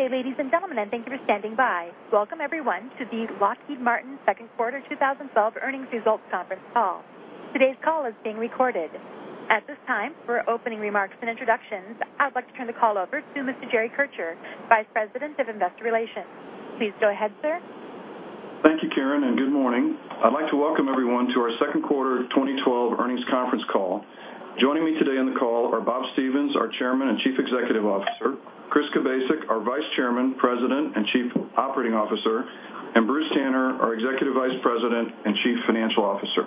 Good day, ladies and gentlemen, and thank you for standing by. Welcome everyone to the Lockheed Martin second quarter 2012 earnings results conference call. Today's call is being recorded. At this time, for opening remarks and introductions, I'd like to turn the call over to Mr. Jerry Kircher, Vice President of Investor Relations. Please go ahead, sir. Thank you, Karen, and good morning. I'd like to welcome everyone to our second quarter 2012 earnings conference call. Joining me today on the call are Bob Stevens, our Chairman and Chief Executive Officer, Chris Kubasik, our Vice Chairman, President, and Chief Operating Officer, and Bruce Tanner, our Executive Vice President and Chief Financial Officer.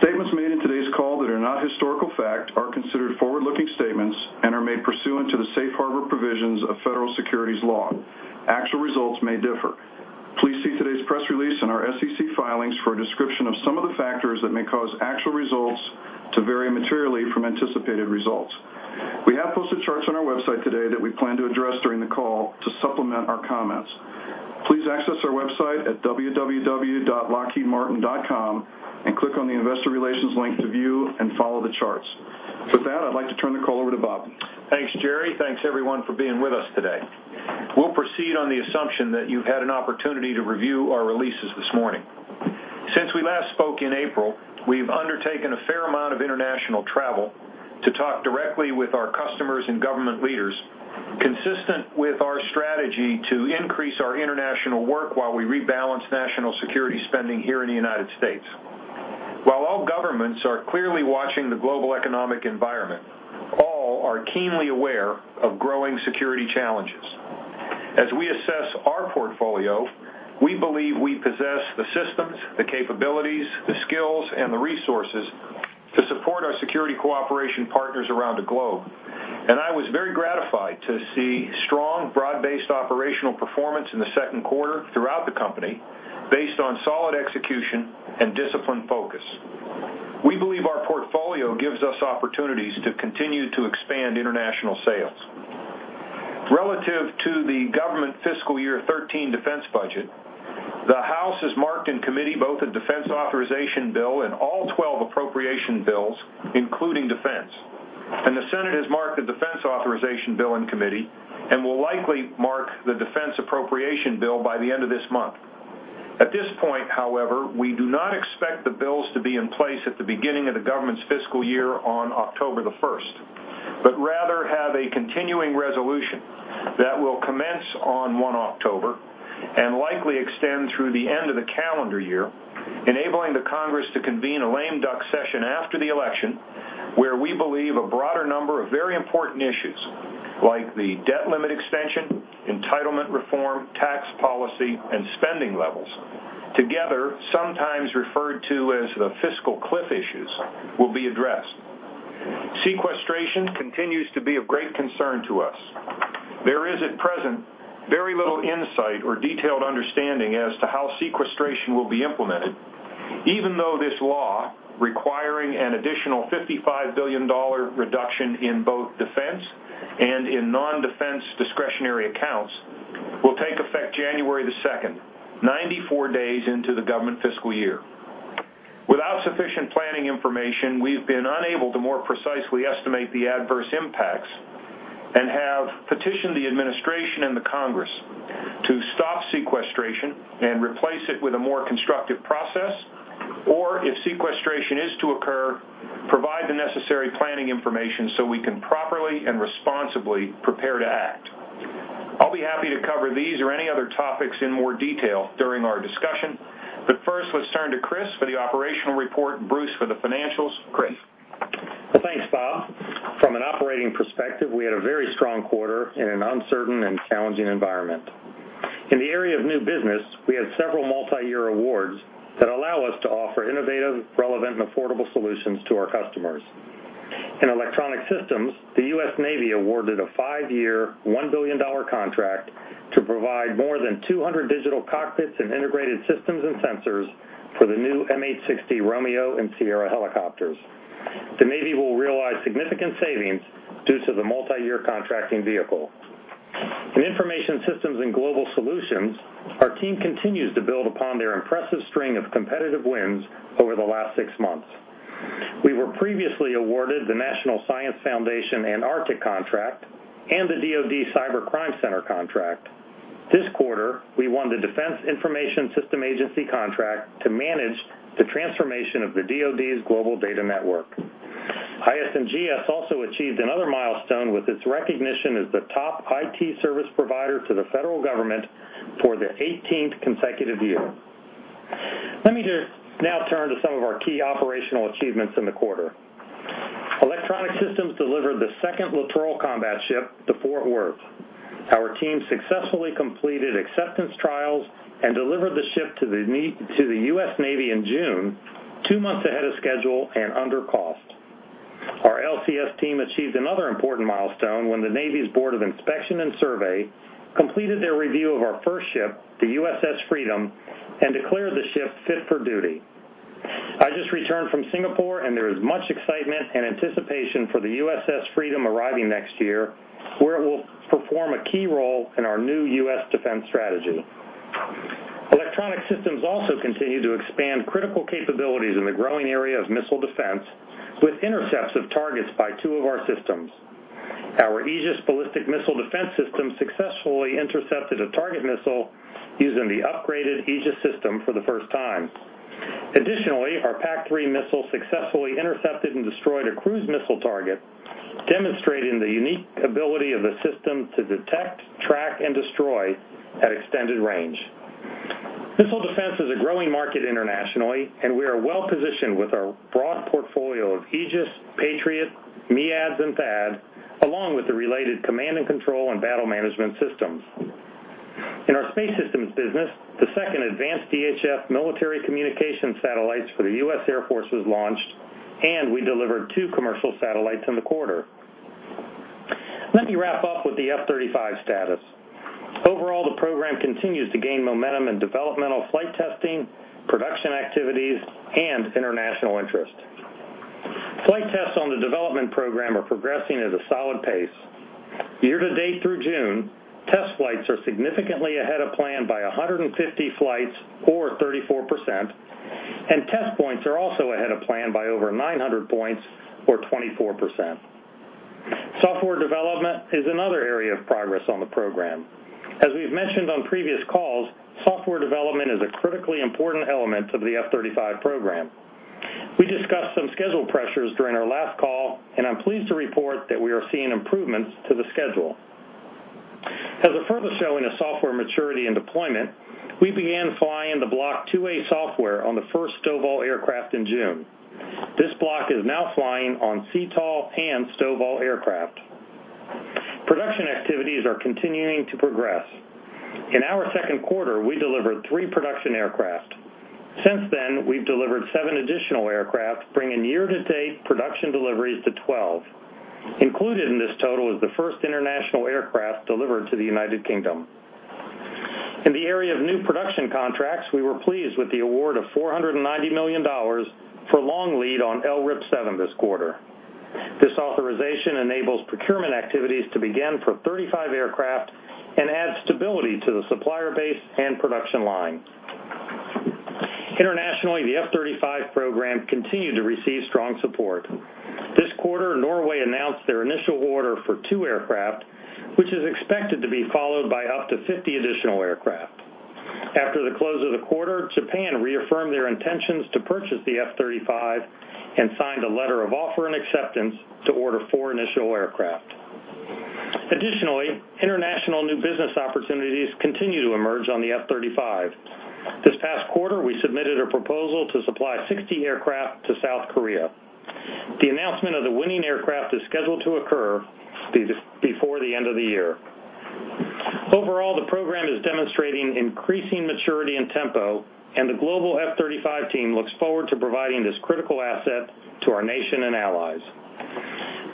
Statements made in today's call that are not historical fact are considered forward-looking statements and are made pursuant to the safe harbor provisions of federal securities law. Actual results may differ. Please see today's press release and our SEC filings for a description of some of the factors that may cause actual results to vary materially from anticipated results. We have posted charts on our website today that we plan to address during the call to supplement our comments. Please access our website at www.lockheedmartin.com and click on the investor relations link to view and follow the charts. With that, I'd like to turn the call over to Bob. Thanks, Jerry. Thanks, everyone for being with us today. We'll proceed on the assumption that you've had an opportunity to review our releases this morning. Since we last spoke in April, we've undertaken a fair amount of international travel to talk directly with our customers and government leaders, consistent with our strategy to increase our international work while we rebalance national security spending here in the United States. While all governments are clearly watching the global economic environment, all are keenly aware of growing security challenges. As we assess our portfolio, we believe we possess the systems, the capabilities, the skills, and the resources to support our security cooperation partners around the globe, and I was very gratified to see strong, broad-based operational performance in the second quarter throughout the company based on solid execution and disciplined focus. We believe our portfolio gives us opportunities to continue to expand international sales. Relative to the government fiscal year 2013 defense budget, the House has marked in committee both a defense authorization bill and all 12 appropriation bills, including defense. The Senate has marked a defense authorization bill in committee and will likely mark the defense appropriation bill by the end of this month. At this point, however, we do not expect the bills to be in place at the beginning of the government's fiscal year on October the 1st, but rather have a continuing resolution that will commence on 1 October and likely extend through the end of the calendar year, enabling the Congress to convene a lame duck session after the election, where we believe a broader number of very important issues, like the debt limit extension, entitlement reform, tax policy, and spending levels, together sometimes referred to as the fiscal cliff issues, will be addressed. Sequestration continues to be of great concern to us. There is, at present, very little insight or detailed understanding as to how sequestration will be implemented, even though this law, requiring an additional $55 billion reduction in both defense and in non-defense discretionary accounts, will take effect January 2nd, 94 days into the government fiscal year. Without sufficient planning information, we've been unable to more precisely estimate the adverse impacts and have petitioned the administration and the Congress to stop sequestration and replace it with a more constructive process, or if sequestration is to occur, provide the necessary planning information so we can properly and responsibly prepare to act. First, let's turn to Chris for the operational report, Bruce for the financials. Chris. Thanks, Bob. From an operating perspective, we had a very strong quarter in an uncertain and challenging environment. In the area of new business, we had several multi-year awards that allow us to offer innovative, relevant, and affordable solutions to our customers. In electronic systems, the U.S. Navy awarded a five-year, $1 billion contract to provide more than 200 digital cockpits and integrated systems and sensors for the new MH-60 Romeo and Sierra helicopters. The Navy will realize significant savings due to the multi-year contracting vehicle. In Information Systems & Global Solutions, our team continues to build upon their impressive string of competitive wins over the last six months. We were previously awarded the National Science Foundation Antarctic contract and the DoD Cyber Crime Center contract. This quarter, we won the Defense Information Systems Agency contract to manage the DoD's global data network. IS&GS also achieved another milestone with its recognition as the top IT service provider to the federal government for the 18th consecutive year. Let me just now turn to some of our key operational achievements in the quarter. Electronic Systems delivered the second Littoral Combat Ship, the Fort Worth. Our team successfully completed acceptance trials and delivered the ship to the U.S. Navy in June, two months ahead of schedule and under cost. Our LCS team achieved another important milestone when the Navy's Board of Inspection and Survey completed their review of our first ship, the USS Freedom, and declared the ship fit for duty. I just returned from Singapore, there is much excitement and anticipation for the USS Freedom arriving next year, where it will perform a key role in our new U.S. defense strategy. Electronic Systems also continue to expand critical capabilities in the growing area of missile defense with intercepts of targets by two of our systems. Our Aegis ballistic missile defense system successfully intercepted a target missile using the upgraded Aegis system for the first time. Our PAC-3 missile successfully intercepted and destroyed a cruise missile target, demonstrating the unique ability of the system to detect, track, and destroy at extended range. Missile defense is a growing market internationally, we are well-positioned with our broad portfolio of Aegis, Patriot, MEADS, and THAAD, along with the related command and control and battle management systems. In our space systems business, the second advanced EHF military communication satellites for the U.S. Air Force was launched, we delivered two commercial satellites in the quarter. Let me wrap up with the F-35 status. Overall, the program continues to gain momentum in developmental flight testing, production activities, and international interest. Flight tests on the development program are progressing at a solid pace. Year-to-date through June, test flights are significantly ahead of plan by 150 flights or 34%, test points are also ahead of plan by over 900 points or 24%. Software development is another area of progress on the program. As we've mentioned on previous calls, software development is a critically important element of the F-35 program. We discussed some schedule pressures during our last call, I'm pleased to report that we are seeing improvements to the schedule. As a further showing of software maturity and deployment, we began flying the Block 2A software on the first STOVL aircraft in June. This block is now flying on CTOL and STOVL aircraft. Production activities are continuing to progress. In our second quarter, we delivered three production aircraft. Since then, we've delivered seven additional aircraft, bringing year-to-date production deliveries to 12. Included in this total is the first international aircraft delivered to the United Kingdom. In the area of new production contracts, we were pleased with the award of $490 million for long lead on LRIP 7 this quarter. This authorization enables procurement activities to begin for 35 aircraft adds stability to the supplier base and production line. Internationally, the F-35 program continued to receive strong support. This quarter, Norway announced their initial order for two aircraft, which is expected to be followed by up to 50 additional aircraft. After the close of the quarter, Japan reaffirmed their intentions to purchase the F-35 signed a letter of offer and acceptance to order four initial aircraft. International new business opportunities continue to emerge on the F-35. This past quarter, we submitted a proposal to supply 60 aircraft to South Korea. The announcement of the winning aircraft is scheduled to occur before the end of the year. Overall, the program is demonstrating increasing maturity and tempo, and the global F-35 team looks forward to providing this critical asset to our nation and allies.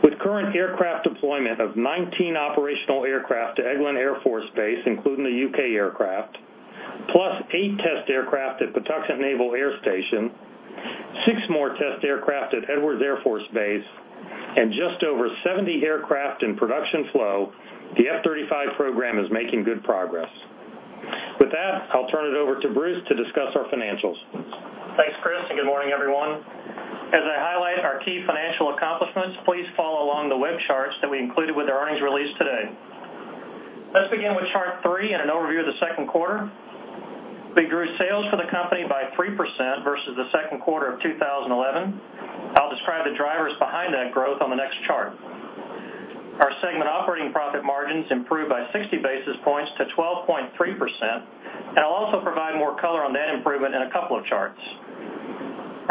With current aircraft deployment of 19 operational aircraft to Eglin Air Force Base, including the U.K. aircraft, plus eight test aircraft at Patuxent Naval Air Station, six more test aircraft at Edwards Air Force Base, and just over 70 aircraft in production flow, the F-35 program is making good progress. With that, I'll turn it over to Bruce to discuss our financials. Thanks, Chris. Good morning, everyone. As I highlight our key financial accomplishments, please follow along the web charts that we included with the earnings release today. Let's begin with chart three and an overview of the second quarter. We grew sales for the company by 3% versus the second quarter of 2011. I'll describe the drivers behind that growth on the next chart. Our segment operating profit margins improved by 60 basis points to 12.3%, and I'll also provide more color on that improvement in a couple of charts.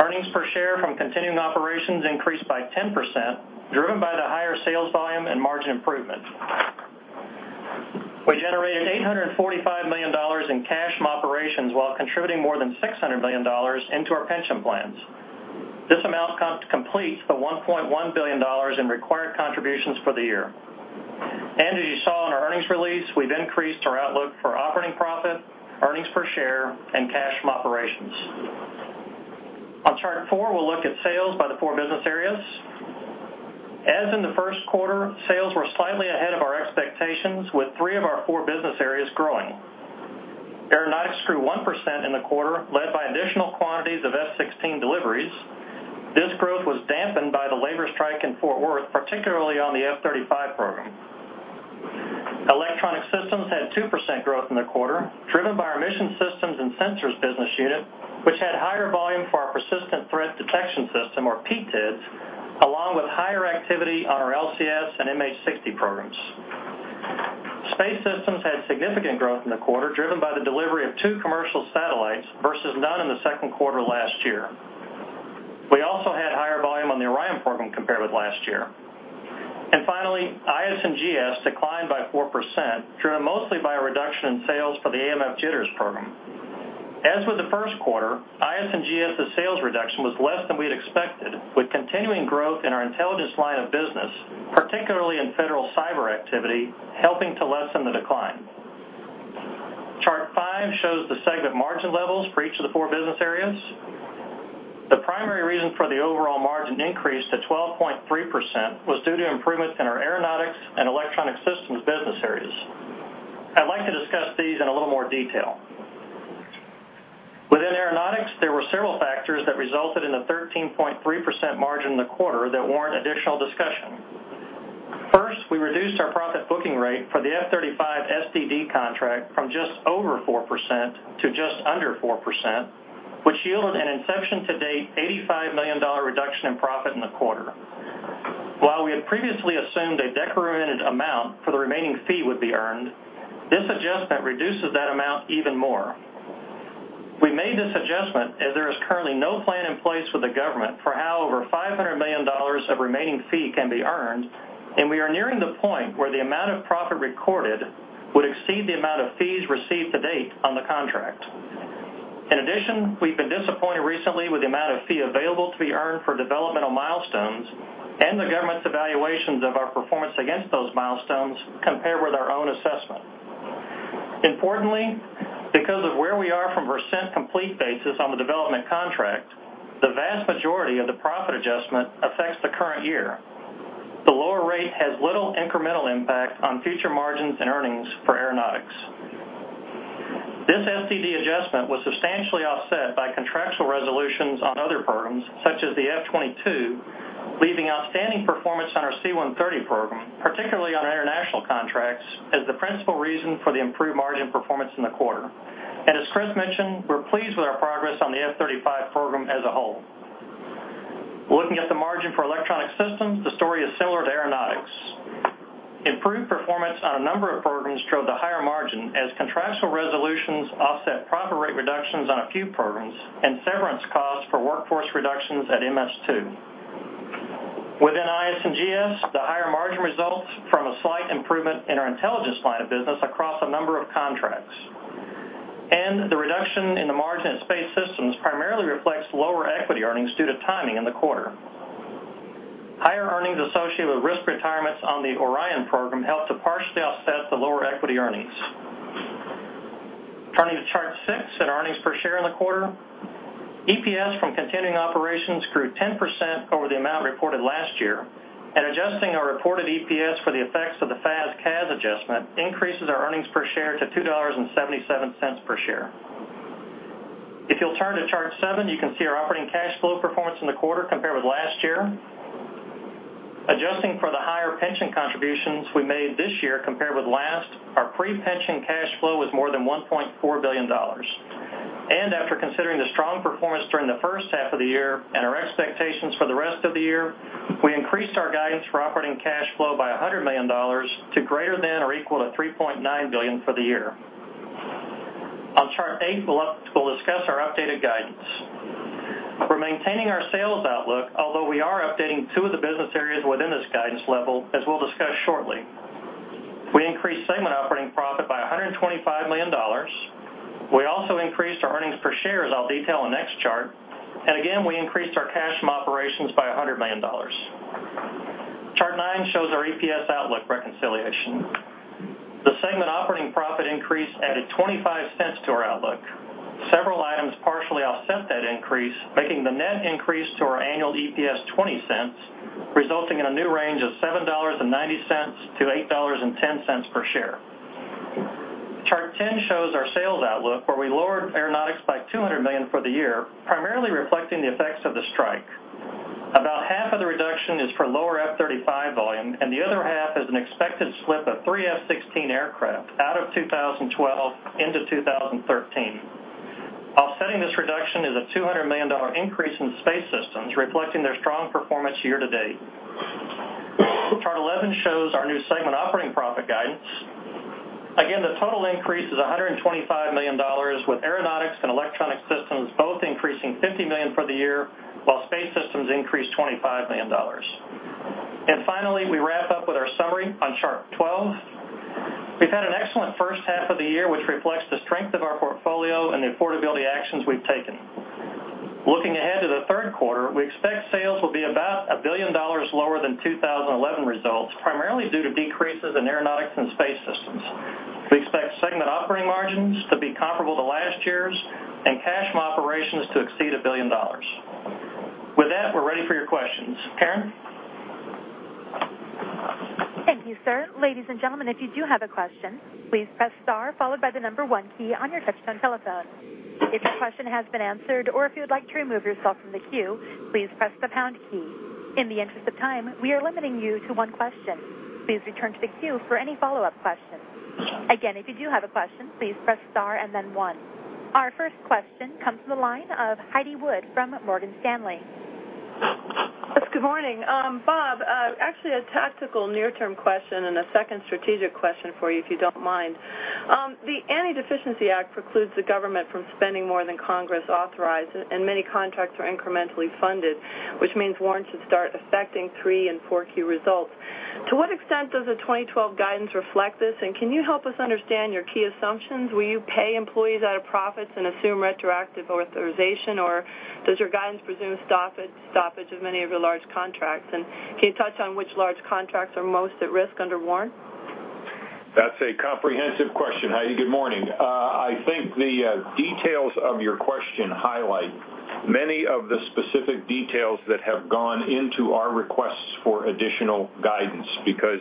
Earnings per share from continuing operations increased by 10%, driven by the higher sales volume and margin improvement. We generated $845 million in cash from operations while contributing more than $600 million into our pension plans. This amount completes the $1.1 billion in required contributions for the year. As you saw in our earnings release, we've increased our outlook for operating profit, earnings per share, and cash from operations. On chart four, we'll look at sales by the four business areas. As in the first quarter, sales were slightly ahead of our expectations with three of our four business areas growing. Aeronautics grew 1% in the quarter, led by additional quantities of F-16 deliveries. This growth was dampened by the labor strike in Fort Worth, particularly on the F-35 program. Electronic Systems had 2% growth in the quarter, driven by our Mission Systems & Sensors business unit, which had higher volume for our Persistent Threat Detection System, or PTDS, along with higher activity on our LCS and MH-60 programs. Space Systems had significant growth in the quarter, driven by the delivery of two commercial satellites versus none in the second quarter last year. We also had higher volume on the Orion program compared with last year. Finally, IS&GS declined by 4%, driven mostly by a reduction in sales for the AMF JSS program. As with the first quarter, IS&GS' sales reduction was less than we'd expected, with continuing growth in our intelligence line of business, particularly in federal cyber activity, helping to lessen the decline. Chart five shows the segment margin levels for each of the 3% was due to improvements in our Aeronautics and Electronic Systems business areas. I'd like to discuss these in a little more detail. Within Aeronautics, there were several factors that resulted in a 13.3% margin in the quarter that warrant additional discussion. First, we reduced our profit booking rate for the F-35 SDD contract from just over 4% to just under 4%, which yielded an inception to date $85 million reduction in profit in the quarter. While we had previously assumed a decremented amount for the remaining fee would be earned, this adjustment reduces that amount even more. We made this adjustment as there is currently no plan in place with the government for how over $500 million of remaining fee can be earned, and we are nearing the point where the amount of profit recorded would exceed the amount of fees received to date on the contract. In addition, we've been disappointed recently with the amount of fee available to be earned for developmental milestones and the government's evaluations of our performance against those milestones compared with our own assessment. Importantly, because of where we are from percent complete basis on the development contract, the vast majority of the profit adjustment affects the current year. The lower rate has little incremental impact on future margins and earnings for aeronautics. This SDD adjustment was substantially offset by contractual resolutions on other programs such as the F-22, leaving outstanding performance on our C-130 program, particularly on our international contracts, as the principal reason for the improved margin performance in the quarter. As Chris mentioned, we're pleased with our progress on the F-35 program as a whole. Looking at the margin for Electronic Systems, the story is similar to aeronautics. Improved performance on a number of programs drove the higher margin as contractual resolutions offset profit rate reductions on a few programs and severance costs for workforce reductions at MS2. Within IS&GS, the higher margin results from a slight improvement in our intelligence line of business across a number of contracts. The reduction in the margin at Space Systems primarily reflects lower equity earnings due to timing in the quarter. Higher earnings associated with risk retirements on the Orion program helped to partially offset the lower equity earnings. Turning to chart six and earnings per share in the quarter. EPS from continuing operations grew 10% over the amount reported last year, adjusting our reported EPS for the effects of the FAS/CAS adjustment increases our earnings per share to $2.77 per share. If you'll turn to chart seven, you can see our operating cash flow performance in the quarter compared with last year. Adjusting for the higher pension contributions we made this year compared with last, our pre-pension cash flow was more than $1.4 billion. After considering the strong performance during the first half of the year and our expectations for the rest of the year, we increased our guidance for operating cash flow by $100 million to greater than or equal to $3.9 billion for the year. On chart eight, we'll discuss our updated guidance. We're maintaining our sales outlook, although we are updating two of the business areas within this guidance level as we'll discuss shortly. We increased segment operating profit by $125 million. We also increased our earnings per share, as I'll detail on the next chart. Again, we increased our cash from operations by $100 million. Chart nine shows our EPS outlook reconciliation. The segment operating profit increase added $0.25 to our outlook. Several items partially offset that increase, making the net increase to our annual EPS $0.20, resulting in a new range of $7.90-$8.10 per share. Chart 10 shows our sales outlook, where we lowered aeronautics by $200 million for the year, primarily reflecting the effects of the strike. About half of the reduction is for lower F-35 volume, the other half is an expected slip of three F-16 aircraft out of 2012 into 2013. Offsetting this reduction is a $200 million increase in Space Systems, reflecting their strong performance year to date. Chart 11 shows our new segment operating profit guidance. Again, the total increase is $125 million, with Aeronautics and Electronic Systems both increasing $50 million for the year, while Space Systems increased $25 million. Finally, we wrap up with our summary on chart 12. We've had an excellent first half of the year, which reflects the strength of our portfolio and the affordability actions we've taken. Looking ahead to the third quarter, we expect sales will be about $1 billion lower than 2011 results, primarily due to decreases in Aeronautics and Space Systems. We expect segment operating margins to be comparable to last year's and cash from operations to exceed $1 billion. With that, we're ready for your questions. Karen? Thank you, sir. Ladies and gentlemen, if you do have a question, please press star followed by the number one key on your touch-tone telephone. If your question has been answered or if you would like to remove yourself from the queue, please press the pound key. In the interest of time, we are limiting you to one question. Please return to the queue for any follow-up questions. Again, if you do have a question, please press star and then one. Our first question comes from the line of Heidi Wood from Morgan Stanley. Yes, good morning. Bob, actually a tactical near-term question and a second strategic question for you, if you don't mind. The Antideficiency Act precludes the government from spending more than Congress authorized, many contracts are incrementally funded, which means warrants should start affecting three and four Q results. To what extent does the 2012 guidance reflect this, and can you help us understand your key assumptions? Will you pay employees out of profits and assume retroactive authorization, or does your guidance presume stoppage of many of your large contracts? Can you touch on which large contracts are most at risk under warrant? That's a comprehensive question, Heidi. Good morning. I think the details of your question highlight many of the specific details that have gone into our requests for additional guidance, because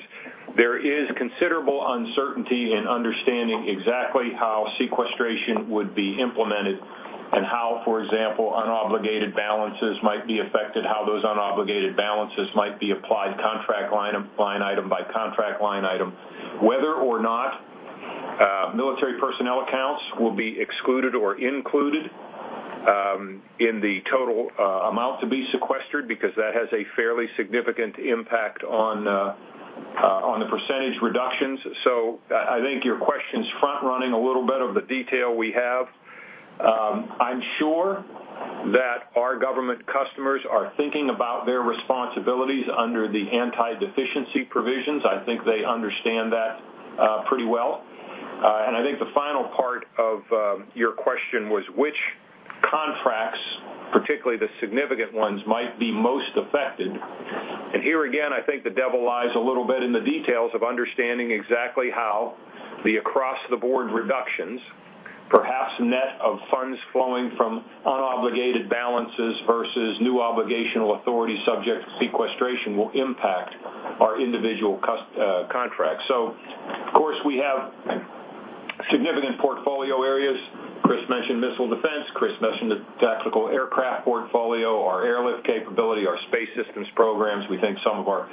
there is considerable uncertainty in understanding exactly how sequestration would be implemented and how, for example, unobligated balances might be affected, how those unobligated balances might be applied contract line item by contract line item, whether or not military personnel accounts will be excluded or included in the total amount to be sequestered, because that has a fairly significant impact on the percentage reductions. I think your question's front running a little bit of the detail we have. I'm sure that our government customers are thinking about their responsibilities under the Antideficiency provisions. I think they understand that pretty well. I think the final part of your question was which contracts, particularly the significant ones, might be most affected. Here again, I think the devil lies a little bit in the details of understanding exactly how the across-the-board reductions, perhaps net of funds flowing from unobligated balances versus new obligational authority subject to sequestration, will impact our individual contracts. Of course, we have significant portfolio areas. Chris mentioned missile defense. Chris mentioned the tactical aircraft portfolio, our airlift capability, our space systems programs. We think some of our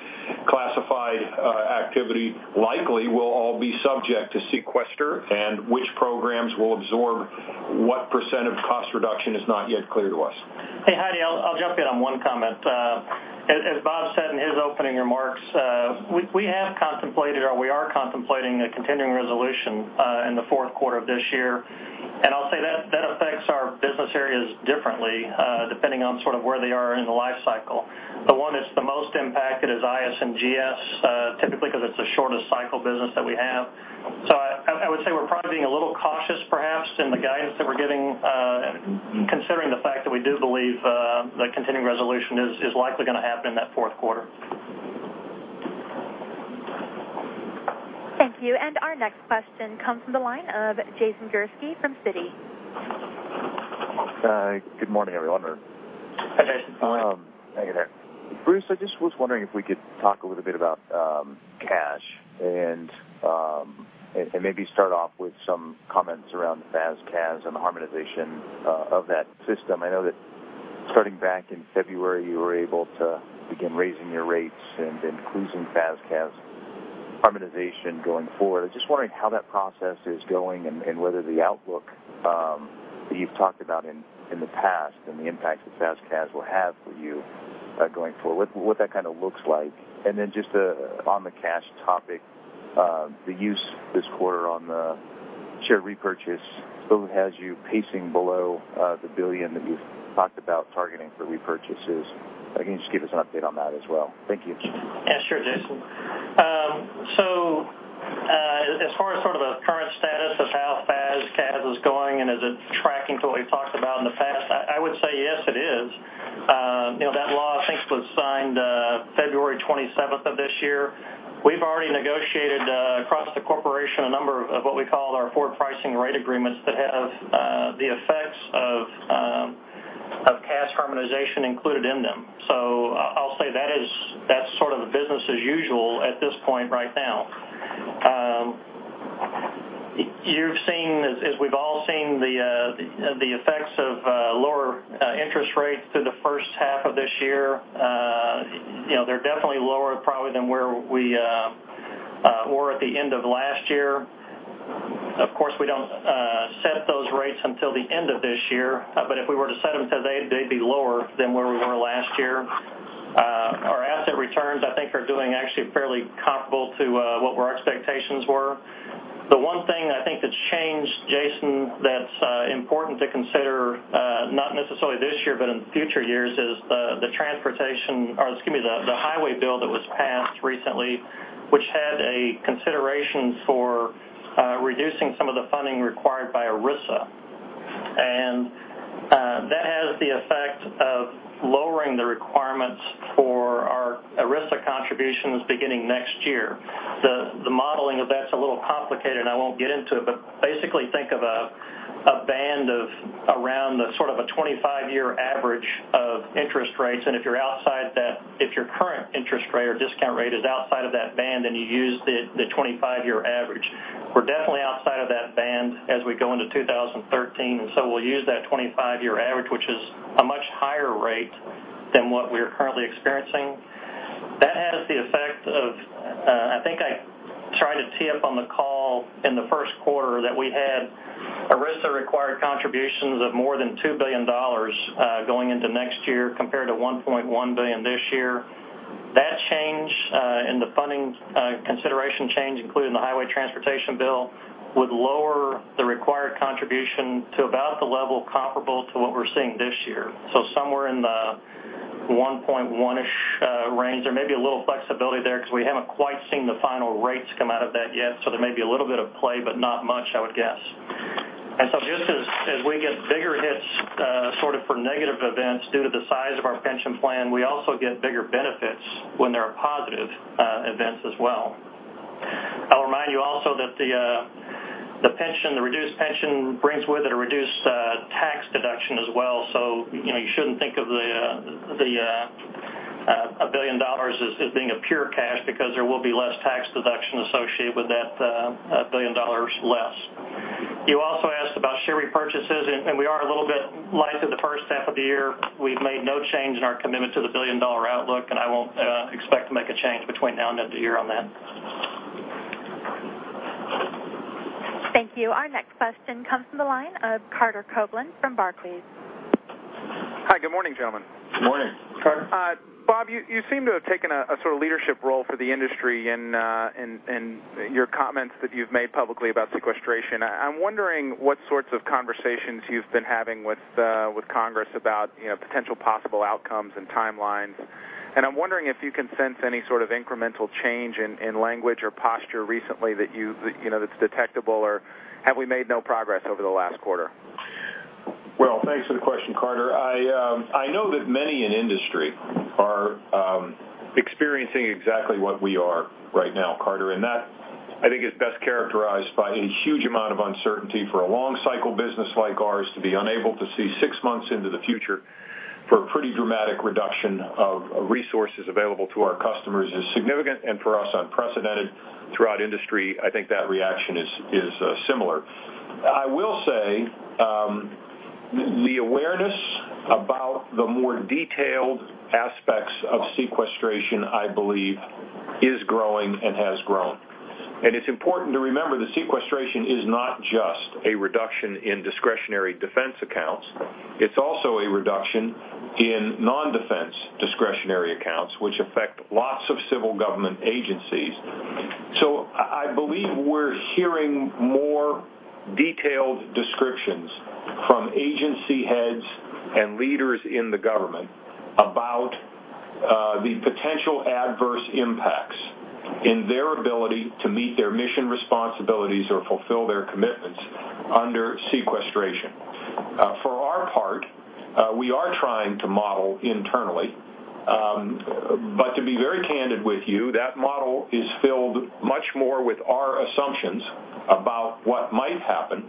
classified activity likely will all be subject to sequester, and which programs will absorb what % of cost reduction is not yet clear to us. Hey, Heidi, I'll jump in on one comment. As Bob said in his opening remarks, we have contemplated, or we are contemplating, a continuing resolution in the fourth quarter of this year. I'll say that affects our business areas differently, depending on where they are in the life cycle. The one that's the most impacted is IS&GS, typically because it's the shortest cycle business that we have. I would say we're probably being a little cautious, perhaps, in the guidance that we're giving, considering the fact that we do believe the continuing resolution is likely going to happen in that fourth quarter. Thank you. Our next question comes from the line of Jason Gursky from Citi. Hi. Good morning, everyone. Hi, Jason. Good morning. Hey there. Bruce, I just was wondering if we could talk a little bit about cash and maybe start off with some comments around the FAS/CAS and the harmonization of that system. I know that starting back in February, you were able to begin raising your rates and increasing FAS/CAS harmonization going forward. I'm just wondering how that process is going and whether the outlook that you've talked about in the past and the impact that FAS/CAS will have for you going forward, what that kind of looks like. And then just on the cash topic, the use this quarter on the share repurchase, it has you pacing below the $1 billion that you've talked about targeting for repurchases. Can you just give us an update on that as well? Thank you. Sure, Jason. As far as sort of the current status of how FAS CAS is going and is it tracking to what we've talked about in the past, I would say yes, it is. That law, I think, was signed February 27th of this year. We've already negotiated across the corporation a number of what we call our forward pricing rate agreements that have the effects of CAS harmonization included in them. I'll say that's sort of business as usual at this point right now. You've seen, as we've all seen, the effects of lower interest rates through the first half of this year. They're definitely lower probably than where we were at the end of last year. Of course, we don't set those rates until the end of this year, if we were to set them today, they'd be lower than where we were last year. Our asset returns, I think, are doing actually fairly comparable to what our expectations were. The one thing I think that's changed, Jason, that's important to consider, not necessarily this year, but in future years, is the highway bill that was passed recently, which had a consideration for reducing some of the funding required by ERISA. That has the effect of lowering the requirements for our ERISA contributions beginning next year. The modeling of that's a little complicated, I won't get into it, basically think of a band of around the sort of a 25-year average of interest rates, if your current interest rate or discount rate is outside of that band, you use the 25-year average. We're definitely outside of that band as we go into 2013, we'll use that 25-year average, which is a much higher rate than what we are currently experiencing. That has the effect of, I think I tried to tee up on the call in the first quarter that we had ERISA required contributions of more than $2 billion going into next year compared to $1.1 billion this year. That change in the funding consideration change, including the highway transportation bill, would lower the required contribution to about the level comparable to what we're seeing this year. Somewhere in the 1.1-ish range. There may be a little flexibility there because we haven't quite seen the final rates come out of that yet, there may be a little bit of play, but not much, I would guess. Bigger benefits when there are positive events as well. I'll remind you also that the reduced pension brings with it a reduced tax deduction as well. You shouldn't think of $1 billion as being a pure cash, because there will be less tax deduction associated with that $1 billion less. You also asked about share repurchases, we are a little bit light through the first half of the year. We've made no change in our commitment to the $1 billion outlook, I won't expect to make a change between now and the end of the year on that. Thank you. Our next question comes from the line of Carter Copeland from Barclays. Hi, good morning, gentlemen. Good morning. Morning, Carter. Bob, you seem to have taken a sort of leadership role for the industry in your comments that you've made publicly about sequestration. I'm wondering what sorts of conversations you've been having with Congress about potential possible outcomes and timelines. I'm wondering if you can sense any sort of incremental change in language or posture recently that's detectable, or have we made no progress over the last quarter? Well, thanks for the question, Carter. I know that many in industry are experiencing exactly what we are right now, Carter, and that, I think, is best characterized by a huge amount of uncertainty for a long cycle business like ours to be unable to see 6 months into the future for a pretty dramatic reduction of resources available to our customers is significant, and for us, unprecedented throughout industry. I think that reaction is similar. I will say, the awareness about the more detailed aspects of sequestration, I believe, is growing and has grown. It's important to remember that sequestration is not just a reduction in discretionary defense accounts. It's also a reduction in non-defense discretionary accounts, which affect lots of civil government agencies. I believe we're hearing more detailed descriptions from agency heads and leaders in the government about the potential adverse impacts in their ability to meet their mission responsibilities or fulfill their commitments under sequestration. For our part, we are trying to model internally. To be very candid with you, that model is filled much more with our assumptions about what might happen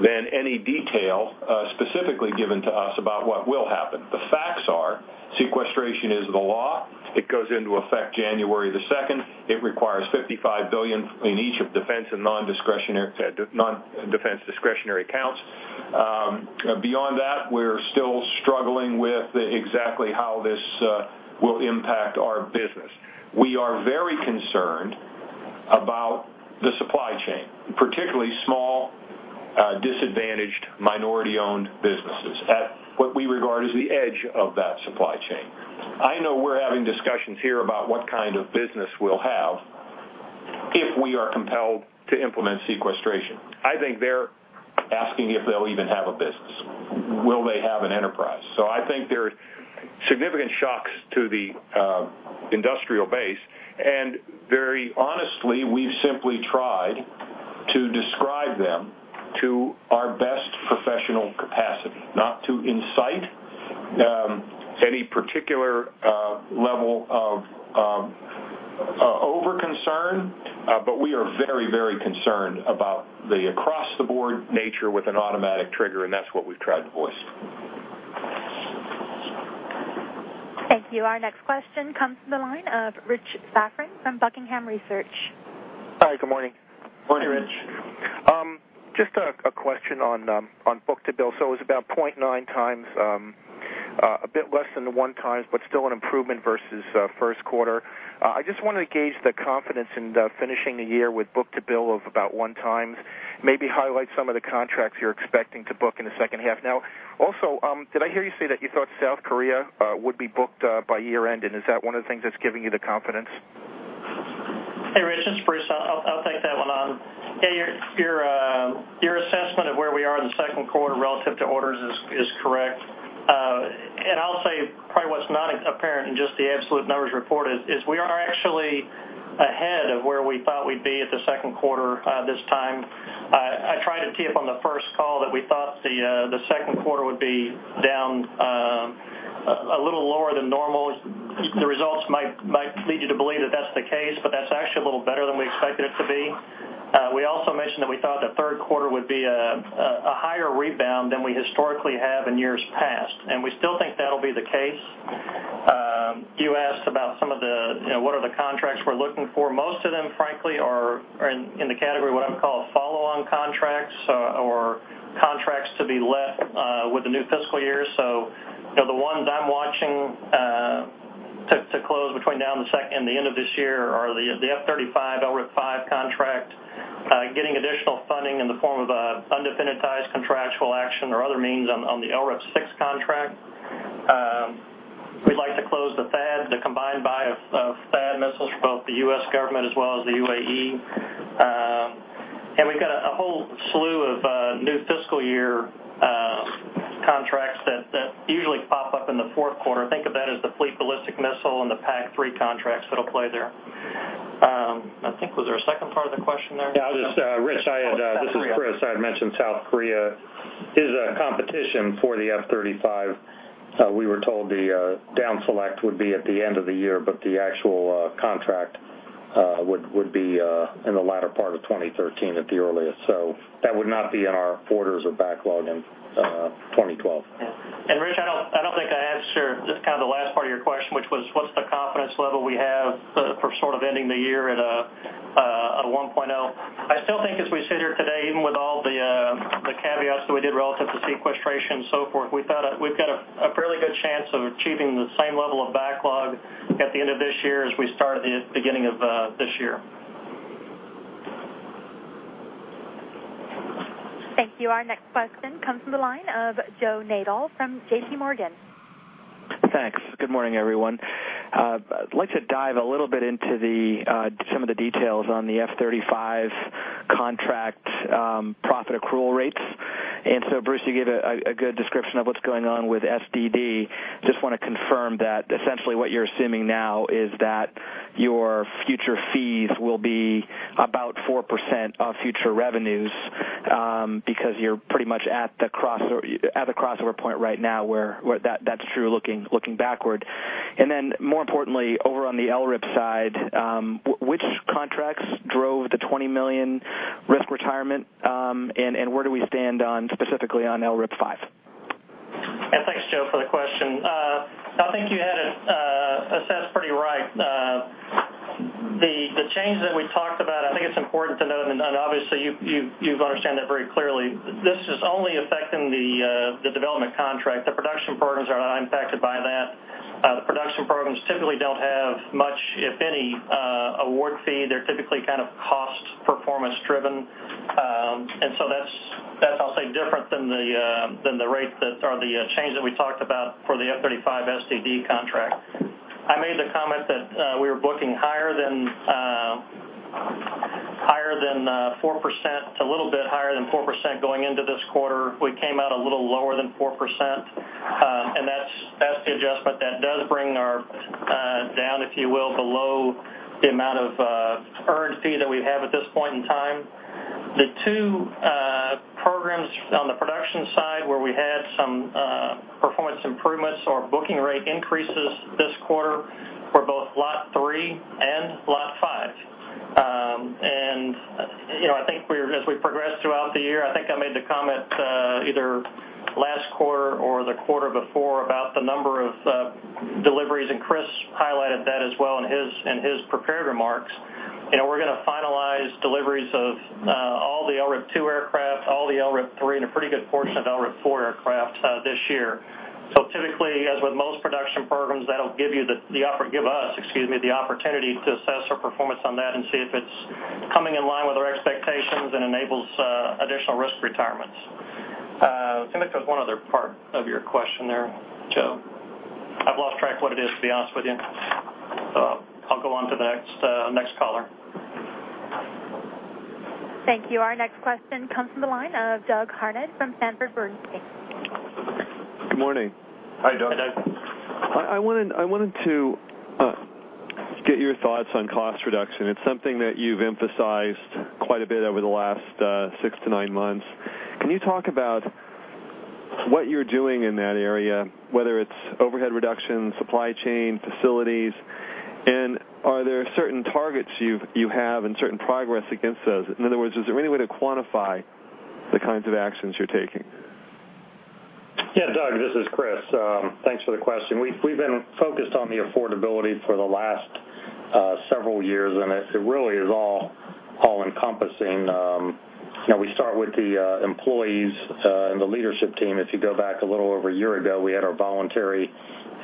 than any detail specifically given to us about what will happen. The facts are, sequestration is the law. It goes into effect January the 2nd. It requires $55 billion in each of defense and non-defense discretionary accounts. Beyond that, we're still struggling with exactly how this will impact our business. We are very concerned about the supply chain, particularly small, disadvantaged, minority-owned businesses at what we regard as the edge of that supply chain. I know we're having discussions here about what kind of business we'll have if we are compelled to implement sequestration. I think they're asking if they'll even have a business. Will they have an enterprise? I think there's significant shocks to the industrial base, very honestly, we've simply tried to describe them to our best professional capacity. Not to incite any particular level of over-concern, we are very concerned about the across-the-board nature with an automatic trigger, and that's what we've tried to voice. Thank you. Our next question comes from the line of Rich Safran from The Buckingham Research Group, Inc. Hi, good morning. Morning, Rich. Just a question on book-to-bill. It was about 0.9 times, a bit less than the one times, but still an improvement versus first quarter. I just wanted to gauge the confidence in finishing the year with book-to-bill of about one times, maybe highlight some of the contracts you're expecting to book in the second half. Also, did I hear you say that you thought South Korea would be booked by year-end, and is that one of the things that's giving you the confidence? Hey, Rich, this is Bruce. I'll take that one on. Yeah, your assessment of where we are in the second quarter relative to orders is correct. I'll say probably what's not apparent in just the absolute numbers reported is we are actually ahead of where we thought we'd be at the second quarter this time. I tried to tee up on the first call that we thought the second quarter would be down a little lower than normal. The results might lead you to believe that that's the case, but that's actually a little better than we expected it to be. We also mentioned that we thought the third quarter would be a higher rebound than we historically have in years past, we still think that'll be the case. You asked about what are the contracts we're looking for. Most of them, frankly, are in the category, what I'm going to call follow-on contracts or contracts to be let with the new fiscal year. The ones I'm watching to close between now and the end of this year are the F-35, LRIP-5 contract, getting additional funding in the form of an indefinitized contractual action or other means on the LRIP-6 contract. We'd like to close the THAAD, the combined buy of THAAD missiles for both the U.S. government as well as the UAE. We've got a whole slew of new fiscal year contracts that usually pop up in the fourth quarter. Think of that as the fleet ballistic missile and the PAC-3 contracts that'll play there. I think, was there a second part of the question there? Mentioned South Korea is a competition for the F-35. We were told the down select would be at the end of the year, the actual contract would be in the latter part of 2013 at the earliest. That would not be in our orders or backlog in 2012. Yeah. Rich, I don't think I answered just kind of the last part of your question, which was what's the confidence level we have for sort of ending the year at a 1.0? I still think as we sit here today, even with all the caveats that we did relative to sequestration and so forth, we've got a fairly good chance of achieving the same level of backlog at the end of this year as we start at the beginning of this year. Thank you. Our next question comes from the line of Joe Nadol from JPMorgan. Thanks. Good morning, everyone. I'd like to dive a little bit into some of the details on the F-35 contract profit accrual rates. Bruce, you gave a good description of what's going on with SDD. Just want to confirm that essentially what you're assuming now is that your future fees will be about 4% of future revenues, because you're pretty much at the crossover point right now where that's true looking backward. More importantly, over on the LRIP side, which contracts drove the $20 million risk retirement, and where do we stand on specifically on LRIP-5? Thanks, Joe, for the question. I think you had it assessed pretty right. The change that we talked about, I think it's important to note, and obviously you've understand that very clearly, this is only affecting the development contract. The production programs are not impacted by that. The production programs typically don't have much, if any, award fee. They're typically kind of cost performance driven. That's, I'll say, different than the rate that, or the change that we talked about for the F-35 SDD contract. I made the comment that we were booking a little bit higher than 4% going into this quarter. We came out a little lower than 4%, and that's the adjustment that does bring our down, if you will, below the amount of earned fee that we have at this point in time. The two programs on the production side where we had some performance improvements or booking rate increases this quarter were both Lot 3 and Lot 5. I think as we progress throughout the year, I think I made the comment, either last quarter or the quarter before, about the number of deliveries, and Chris highlighted that as well in his prepared remarks. We're going to finalize deliveries of all the LRIP 2 aircraft, all the LRIP 3, and a pretty good portion of LRIP 4 aircraft this year. Typically, as with most production programs, that'll give us the opportunity to assess our performance on that and see if it's coming in line with our expectations and enables additional risk retirements. I think there was one other part of your question there, Joe. I've lost track of what it is, to be honest with you. I'll go on to the next caller. Thank you. Our next question comes from the line of Doug Harned from Sanford C. Bernstein. Good morning. Hi, Doug. Hi, Doug. I wanted to get your thoughts on cost reduction. It's something that you've emphasized quite a bit over the last six to nine months. Can you talk about what you're doing in that area, whether it's overhead reduction, supply chain, facilities, are there certain targets you have and certain progress against those? In other words, is there any way to quantify the kinds of actions you're taking? Doug, this is Chris. Thanks for the question. We've been focused on the affordability for the last several years, it really is all-encompassing. We start with the employees and the leadership team. If you go back a little over a year ago, we had our voluntary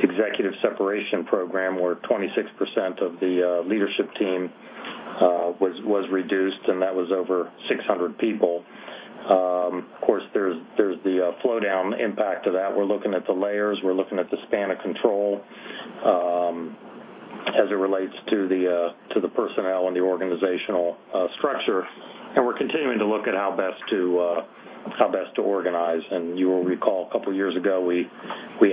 executive separation program where 26% of the leadership team was reduced, that was over 600 people. Of course, there's the flow-down impact of that. We're looking at the layers, we're looking at the span of control as it relates to the personnel and the organizational structure. We're continuing to look at how best to organize. You will recall a couple of years ago, we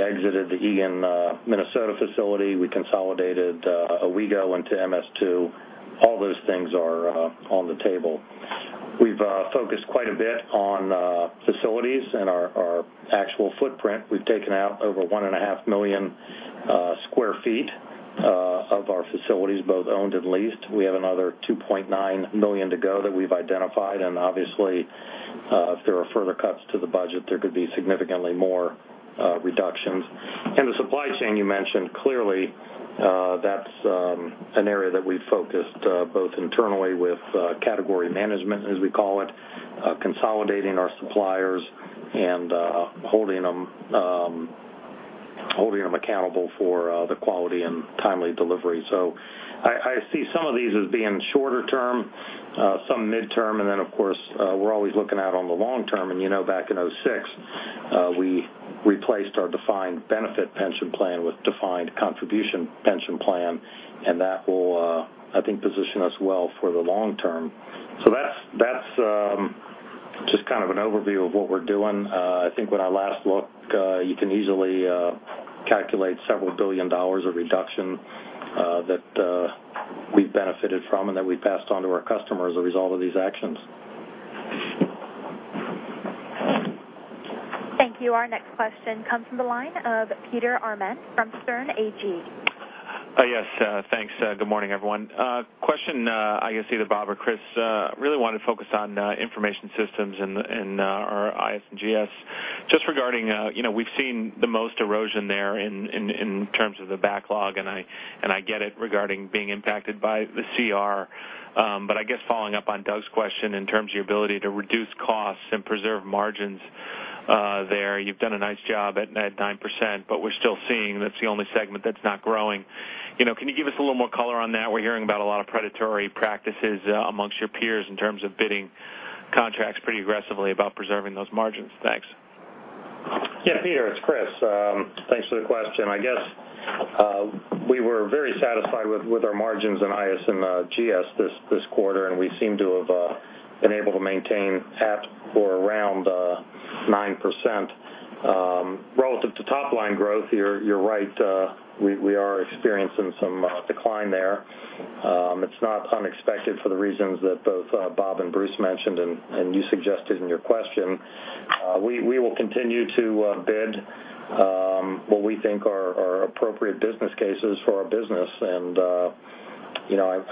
exited the Eagan, Minnesota facility. We consolidated Owego into MS2. All those things are on the table. We've focused quite a bit on facilities and our actual footprint. We've taken out over one and a half million square feet of our facilities, both owned and leased. We have another 2.9 million to go that we've identified. Obviously, if there are further cuts to the budget, there could be significantly more reductions. The supply chain you mentioned, clearly, that's an area that we've focused both internally with category management, as we call it, consolidating our suppliers and holding them accountable for the quality and timely delivery. I see some of these as being shorter term, some midterm, of course, we're always looking out on the long term. You know back in 2006, we replaced our defined benefit pension plan with defined contribution pension plan, that will, I think, position us well for the long term. That's just kind of an overview of what we're doing. I think when I last looked, you can easily calculate several billion dollars of reduction that we've benefited from, and that we passed on to our customer as a result of these actions. Thank you. Our next question comes from the line of Peter Arment from Sterne Agee. Yes. Thanks. Good morning, everyone. Question, I guess either Bob or Chris. Really want to focus on Information Systems & Global Solutions and our IS&GS. Just regarding, we've seen the most erosion there in terms of the backlog, and I get it regarding being impacted by the CR. I guess following up on Doug's question in terms of your ability to reduce costs and preserve margins there, you've done a nice job at net 9%, but we're still seeing that's the only segment that's not growing. Can you give us a little more color on that? We're hearing about a lot of predatory practices amongst your peers in terms of bidding contracts pretty aggressively about preserving those margins. Thanks. Yeah, Peter, it's Chris. Thanks for the question. I guess, we were very satisfied with our margins in IS&GS this quarter, and we seem to have been able to maintain at or around 9%. Relative to top-line growth, you're right, we are experiencing some decline there. It's not unexpected for the reasons that both Bob and Bruce mentioned, and you suggested in your question. We will continue to bid what we think are appropriate business cases for our business.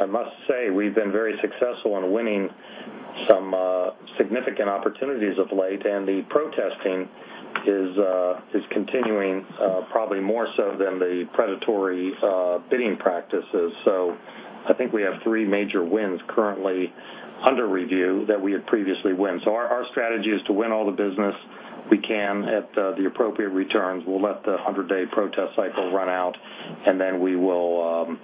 I must say, we've been very successful in winning some significant opportunities of late, and the protesting is continuing, probably more so than the predatory bidding practices. I think we have three major wins currently under review that we had previously win. Our strategy is to win all the business we can at the appropriate returns. We'll let the 100-day protest cycle run out, and then we will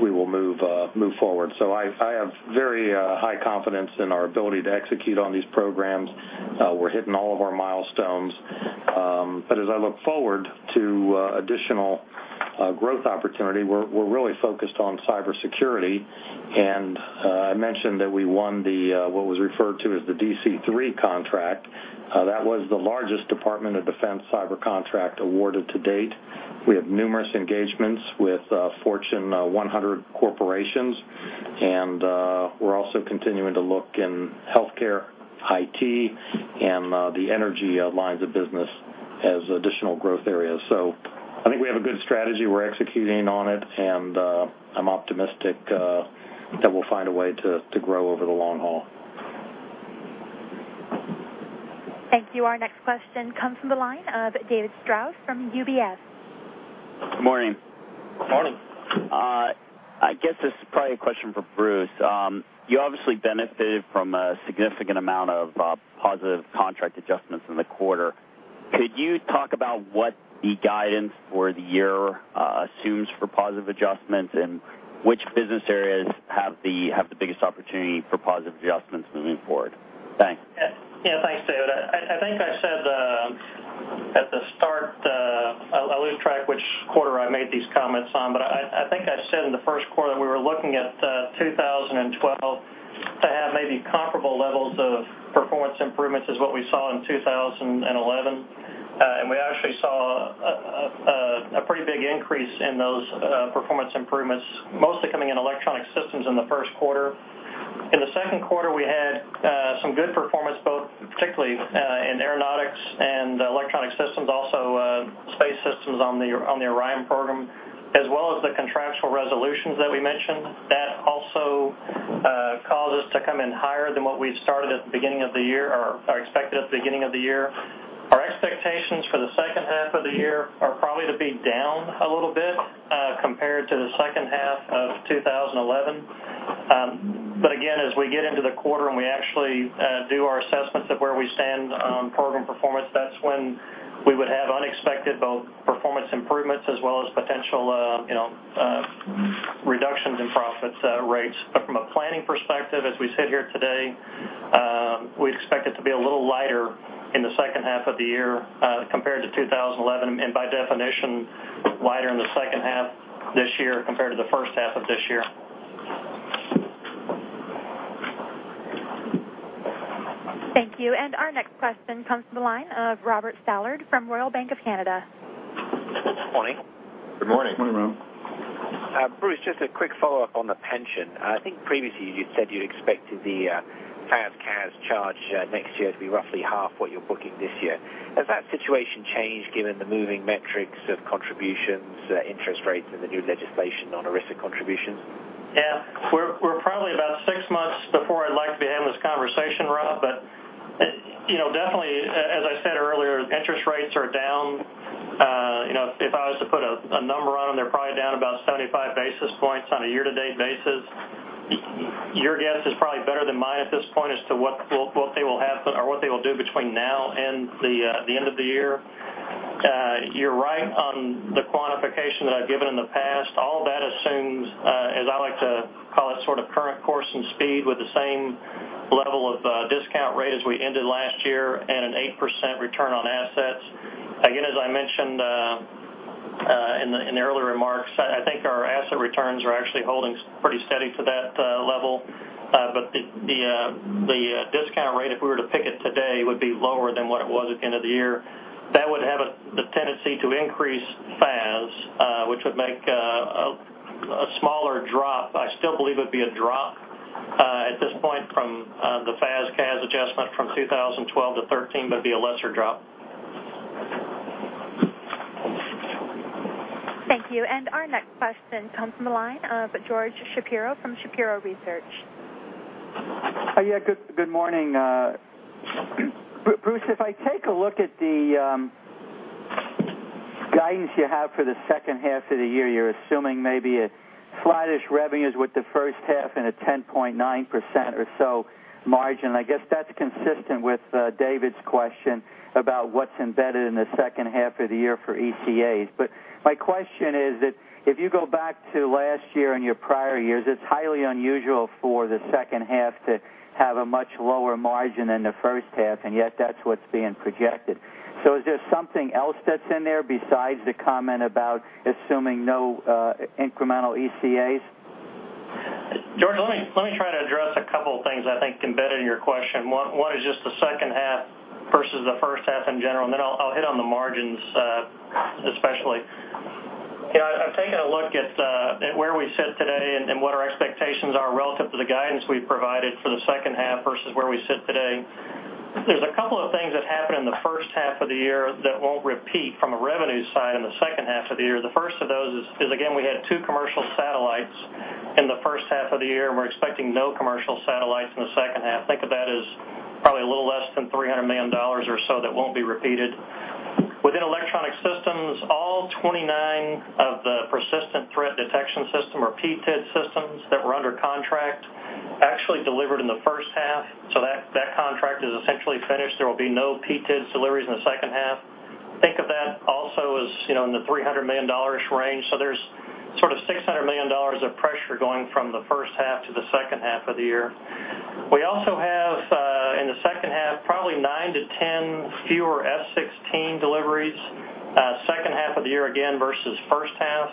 move forward. I have very high confidence in our ability to execute on these programs. We're hitting all of our milestones. As I look forward to additional growth opportunity, we're really focused on cybersecurity. I mentioned that we won the, what was referred to as the DC3 contract. That was the largest Department of Defense cyber contract awarded to date. We have numerous engagements with Fortune 100 corporations, and we're also continuing to look in healthcare, IT, and the energy lines of business as additional growth areas. I think we have a good strategy. We're executing on it, and I'm optimistic that we'll find a way to grow over the long haul. Thank you. Our next question comes from the line of David Strauss from UBS. Good morning. Good morning. I guess this is probably a question for Bruce. You obviously benefited from a significant amount of positive contract adjustments in the quarter. Could you talk about what the guidance for the year assumes for positive adjustments, and which business areas have the biggest opportunity for positive adjustments moving forward? Thanks. Yeah. Thanks, David. I think I said at the start, I lose track which quarter I made these comments on, but I think I said in the first quarter we were looking at 2012 to have maybe comparable levels of performance improvements as what we saw in 2011. We actually saw a pretty big increase in those performance improvements, mostly coming in Electronic Systems in the first quarter. In the second quarter, we had some good performance, both particularly in Aeronautics and Electronic Systems, also Space Systems on the Orion program, as well as the contractual resolutions that we mentioned. That also caused us to come in higher than what we'd started at the beginning of the year or expected at the beginning of the year. Our expectations for the second half of the year are probably to be down a little bit, compared to the second half of 2011. Again, as we get into the quarter and we actually do our assessments of where we stand on program performance, that's when we would have unexpected, both performance improvements as well as potential reductions in profits rates. From a planning perspective, as we sit here today, we expect it to be a little lighter in the second half of the year, compared to 2011. By definition, lighter in the second half this year compared to the first half of this year. Thank you. Our next question comes from the line of Robert Stallard from Royal Bank of Canada. Good morning. Good morning. Good morning, Rob. Bruce, just a quick follow-up on the pension. I think previously you said you expected the FAS/CAS charge next year to be roughly half what you're booking this year. Has that situation changed given the moving metrics of contributions, interest rates, and the new legislation on ERISA contributions? We're probably about six months before I'd like to be having this conversation, Rob. Definitely, as I said earlier, interest rates are down. If I was to put a number on them, they're probably down about 75 basis points on a year-to-date basis. Your guess is probably better than mine at this point as to what they will do between now and the end of the year. You're right on the quantification that I've given in the past. All that assumes, as I like to call it, sort of current course and speed with the same level of discount rate as we ended last year and an 8% return on assets. Again, as I mentioned in the earlier remarks, I think our asset returns are actually holding pretty steady to that level. It would be lower than what it was at the end of the year. That would have the tendency to increase FAS, which would make a smaller drop. I still believe it would be a drop at this point from the FAS CAS adjustment from 2012 to 2013, it'd be a lesser drop. Thank you. Our next question comes from the line of George Shapiro from Shapiro Research. Yeah. Good morning. Bruce, if I take a look at the guidance you have for the second half of the year, you're assuming maybe a flattish revenues with the first half and a 10.9% or so margin. I guess that's consistent with David's question about what's embedded in the second half of the year for ECAs. My question is, if you go back to last year and your prior years, it's highly unusual for the second half to have a much lower margin than the first half, and yet that's what's being projected. Is there something else that's in there besides the comment about assuming no incremental ECAs? George, let me try to address a couple of things I think embedded in your question. One is just the second half versus the first half in general, and then I'll hit on the margins, especially. I've taken a look at where we sit today and what our expectations are relative to the guidance we've provided for the second half versus where we sit today. There's a couple of things that happened in the first half of the year that won't repeat from a revenue side in the second half of the year. The first of those is, again, we had two commercial satellites in the first half of the year. We're expecting no commercial satellites in the second half. Think of that as probably a little less than $300 million or so that won't be repeated. Within Electronic Systems, all 29 of the Persistent Threat Detection System, or PTDS systems, that were under contract actually delivered in the first half. That contract is essentially finished. There will be no PTDS deliveries in the second half. Think of that also as in the $300 million range. There's sort of $600 million of pressure going from the first half to the second half of the year. We also have, in the second half, probably 9-10 fewer F-16 deliveries, second half of the year, again, versus first half.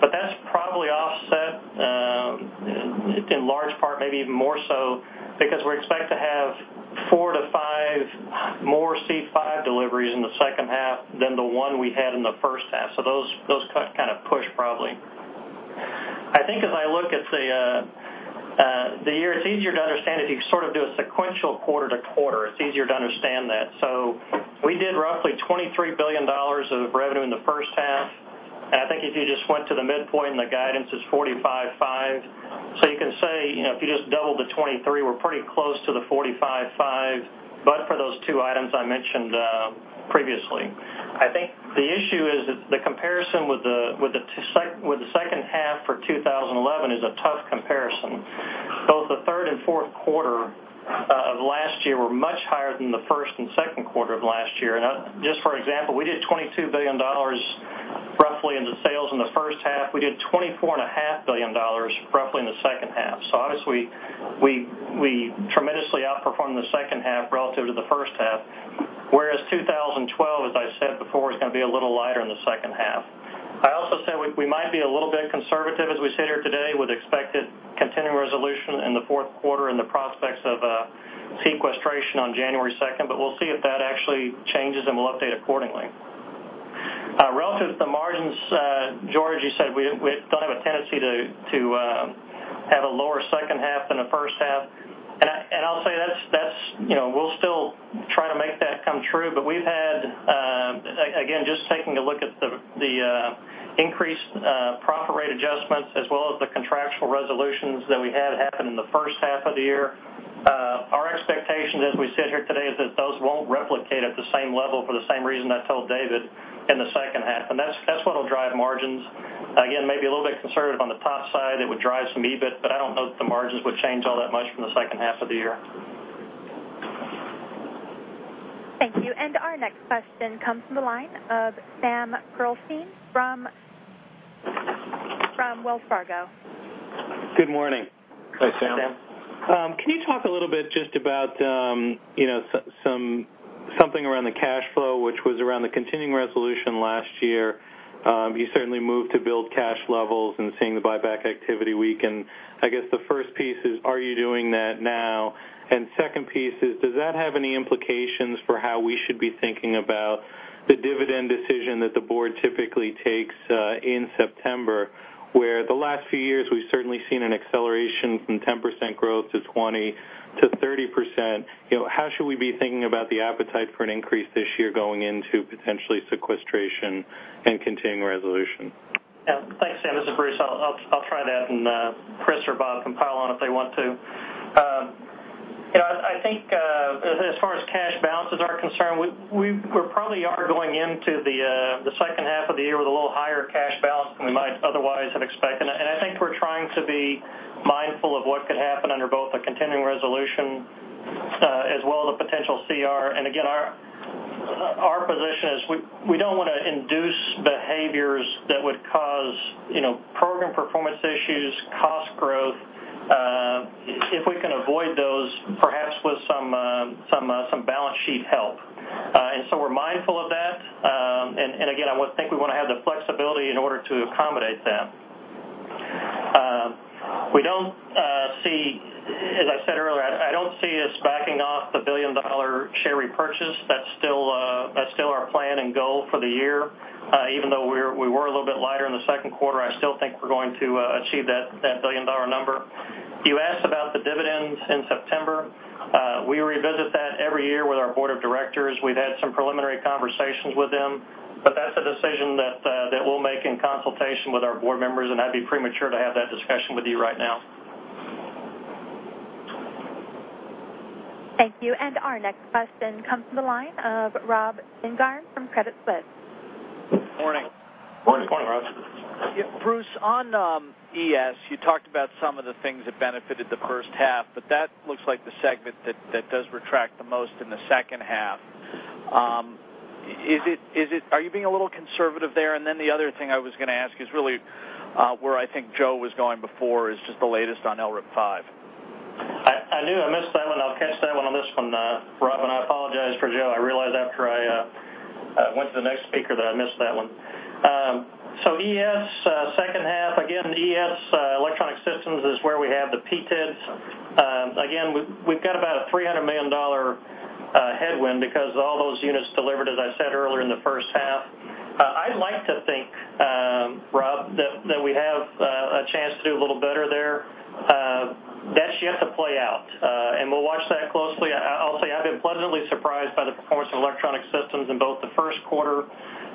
That's probably offset, in large part, maybe even more so because we expect to have 4-5 more C-5 deliveries in the second half than the one we had in the first half. Those kind of push, probably. I think as I look at the year, it's easier to understand if you sort of do a sequential quarter to quarter. It's easier to understand that. We did roughly $23 billion of revenue in the first half, I think if you just went to the midpoint and the guidance is $45.5 billion. You can say, if you just double the $23 billion, we're pretty close to the $45.5 billion, but for those two items I mentioned previously. I think the issue is that the comparison with the second half for 2011 is a tough comparison. Both the third and fourth quarter of last year were much higher than the first and second quarter of last year. Just for example, we did $22 billion roughly in the sales in the first half. We did $24.5 billion roughly in the second half. Obviously, we tremendously outperformed the second half relative to the first half, whereas 2012, as I said before, is going to be a little lighter in the second half. I also said we might be a little bit conservative as we sit here today with expected continuing resolution in the fourth quarter and the prospects of sequestration on January 2nd. We'll see if that actually changes, and we'll update accordingly. Relative to the margins, George, you said we don't have a tendency to have a lower second half than the first half. I'll say we'll still try to make that come true, we've had, again, just taking a look at the increased profit rate adjustments as well as the contractual resolutions that we had happen in the first half of the year. Our expectation as we sit here today is that those won't replicate at the same level for the same reason I told David in the second half. That's what'll drive margins. Maybe a little bit conservative on the top side. It would drive some EBIT, I don't know that the margins would change all that much from the second half of the year. Thank you. Our next question comes from the line of Sam Pearlstein from Wells Fargo. Good morning. Hi, Sam. Can you talk a little bit just about something around the cash flow, which was around the continuing resolution last year. You certainly moved to build cash levels and seeing the buyback activity weaken. I guess the first piece is, are you doing that now? Second piece is, does that have any implications for how we should be thinking about the dividend decision that the board typically takes in September. Where the last few years, we've certainly seen an acceleration from 10% growth to 20% to 30%. How should we be thinking about the appetite for an increase this year going into potentially sequestration and continuing resolution? Yeah. Thanks, Sam. This is Bruce. I'll try that. Chris or Bob can pile on if they want to. I think as far as cash balances are concerned, we probably are going into the second half of the year with a little higher cash balance than we might otherwise have expected. I think we're trying to be mindful of what could happen under both a continuing resolution as well as a potential CR. Again, our position is we don't want to induce behaviors that would cause program performance issues, cost growth, if we can avoid those, perhaps with some balance sheet help. We're mindful of that. Again, I think we want to have the flexibility in order to accommodate that. As I said earlier, I don't see us backing off the billion-dollar share repurchase. That's still our plan and goal for the year. Even though we were a little bit lighter in the second quarter, I still think we're going to achieve that billion-dollar number. You asked about the dividends in September. We revisit that every year with our board of directors. We've had some preliminary conversations with them, but that's a decision that we'll make in consultation with our board members, and I'd be premature to have that discussion with you right now. Thank you. Our next question comes from the line of Robert Spingarn from Credit Suisse. Morning. Morning, Rob. Bruce, on ES, you talked about some of the things that benefited the first half, but that looks like the segment that does retract the most in the second half. Are you being a little conservative there? The other thing I was going to ask is really where I think Joe was going before, is just the latest on LRIP-5. I knew I missed that one. I'll catch that one on this one, Rob, and I apologize for Joe. I realized after I went to the next speaker that I missed that one. ES, second half, again, ES, Electronic Systems, is where we have the PTDS. Again, we've got about a $300 million headwind because all those units delivered, as I said earlier, in the first half. I'd like to think, Rob, that we have a chance to do a little better there. That's yet to play out, and we'll watch that closely. I'll say I've been pleasantly surprised by the performance of Electronic Systems in both the first quarter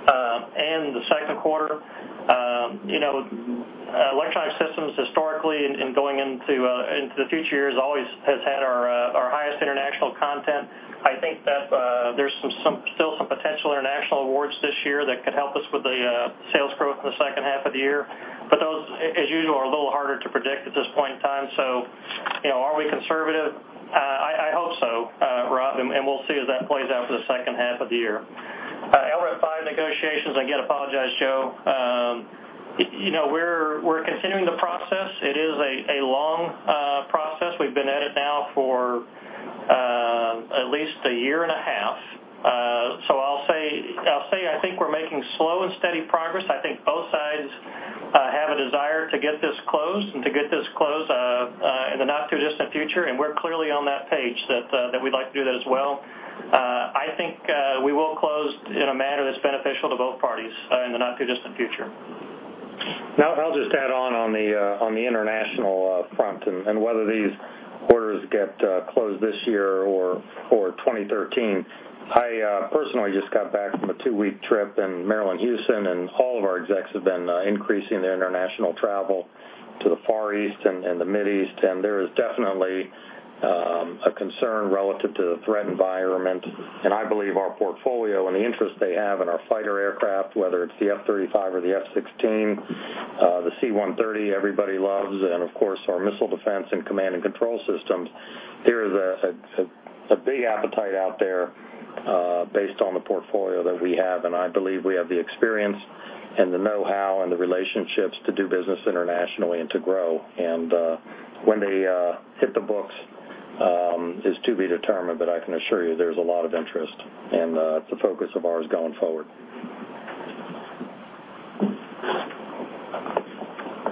and the second quarter. Electronic Systems historically and going into the future years always has had our highest international content. I think that there's still some potential international awards this year that could help us with the sales growth in the second half of the year. Those, as usual, are a little harder to predict at this point in time. Are we conservative? I hope so, Rob, and we'll see as that plays out for the second half of the year. LRIP-5 negotiations, again, apologize, Joe. We're continuing the process. It is a long process. We've been at it now for at least a year and a half. I'll say, I think we're making slow and steady progress. I think both sides have a desire to get this closed and to get this closed in the not-too-distant future, we're clearly on that page that we'd like to do that as well. I think we will close in a manner that's beneficial to both parties in the not-too-distant future. I'll just add on the international front and whether these orders get closed this year or 2013. I personally just got back from a two-week trip, and Marillyn Hewson and all of our execs have been increasing their international travel to the Far East and the Mid East, and there is definitely a concern relative to the threat environment. I believe our portfolio and the interest they have in our fighter aircraft, whether it's the F-35 or the F-16, the C-130 everybody loves, and of course, our missile defense and command and control systems. There is a big appetite out there based on the portfolio that we have, and I believe we have the experience and the know-how and the relationships to do business internationally and to grow. When they hit the books is to be determined, but I can assure you there's a lot of interest, and it's a focus of ours going forward.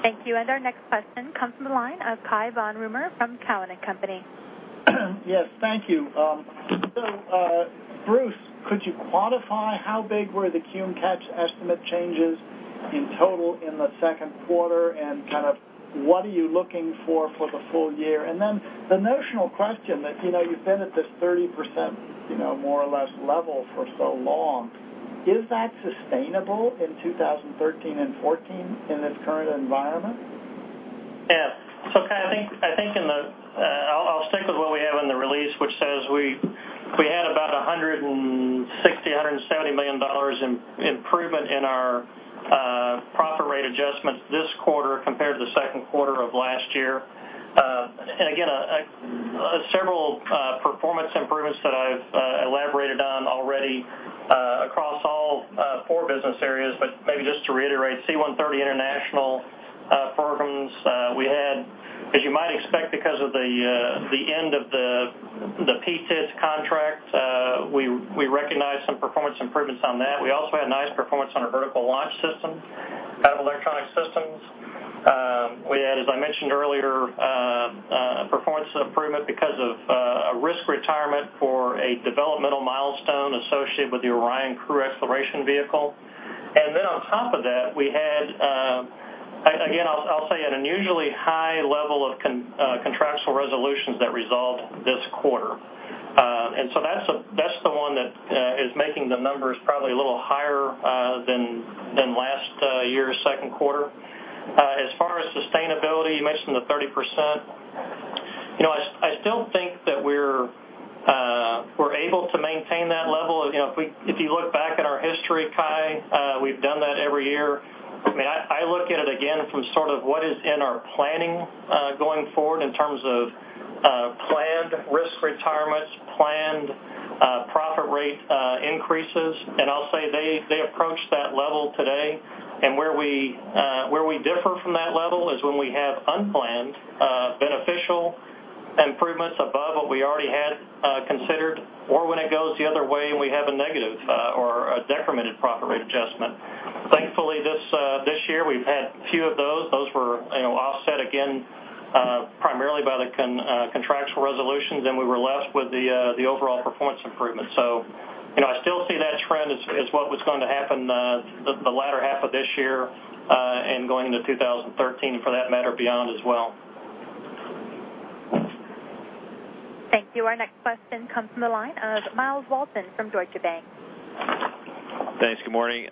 Thank you. Our next question comes from the line of Cai von Rumohr from Cowen and Company. Yes. Thank you. Bruce, could you quantify how big were the cumulative catch-up estimate changes in total in the second quarter, and kind of what are you looking for for the full year? Then the notional question that you've been at this 30%, more or less level for so long, is that sustainable in 2013 and 2014 in this current environment? Cai, I'll stick with what we have in the release, which says we had about $160 million-$170 million in improvement in our profit rate adjustments this quarter compared to the second quarter of last year. Again, several performance improvements that I've elaborated on already, across all four business areas, but maybe just to reiterate, C-130 international programs we had, as you might expect because of the end of the PTDS contract, we recognized some performance improvements on that. We also had nice performance on our vertical launch system, out of Electronic Systems. We had, as I mentioned earlier, a performance improvement because of a risk retirement for a developmental milestone associated with the Orion Crew Exploration Vehicle. Then on top of that, we had, again, I'll say, an unusually high level of contractual resolutions that resolved this quarter. That's the one that is making the numbers probably a little higher than last year's second quarter. As far as sustainability, you mentioned the 30%. I still think that we're able to maintain that level. If you look back at our history, Cai, we've done that every year. I look at it again from sort of what is in our planning going forward in terms of planned risk retirements, planned profit rate increases, I'll say they approach that level today. Where we differ from that level is when we have unplanned beneficial improvements above what we already had considered or when it goes the other way and we have a negative or a decremented profit rate adjustment. This year we've had a few of those. Those were offset again, primarily by the contractual resolutions, we were left with the overall performance improvement. I still see that trend as what was going to happen the latter half of this year, going into 2013, for that matter, beyond as well. Thank you. Our next question comes from the line of Myles Walton from Deutsche Bank. Thanks. Good morning.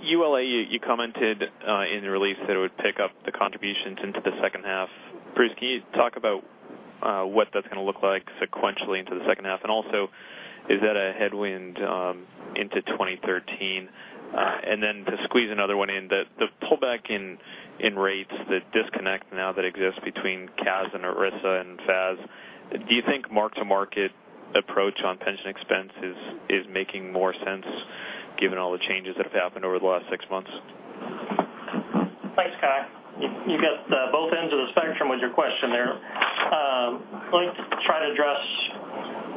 ULA, you commented in the release that it would pick up the contributions into the second half. Bruce, can you talk about what that's going to look like sequentially into the second half? Also, is that a headwind into 2013? To squeeze another one in, the pullback in rates, the disconnect now that exists between CAS and ERISA and FAS, do you think mark-to-market approach on pension expense is making more sense given all the changes that have happened over the last six months? Thanks, Cai. You got both ends of the spectrum with your question there.